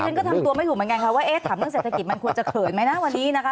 ฉันก็ทำตัวไม่ถูกเหมือนกันค่ะว่าเอ๊ะถามเรื่องเศรษฐกิจมันควรจะเขินไหมนะวันนี้นะคะ